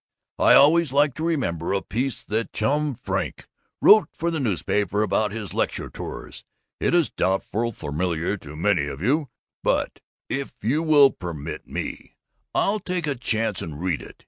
"'I always like to remember a piece that Chum Frink wrote for the newspapers about his lecture tours. It is doubtless familiar to many of you, but if you will permit me, I'll take a chance and read it.